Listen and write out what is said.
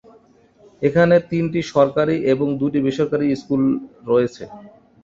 এখানে তিনটি সরকারি এবং দুটি বেসরকারী স্কুল রয়েছে।